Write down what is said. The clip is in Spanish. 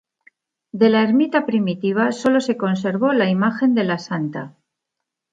De la ermita primitiva sólo se conservó la imagen de la santa.